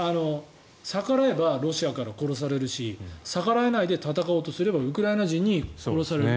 逆らえばロシアから殺されるし逆らえないで戦おうとすればウクライナ人に殺される。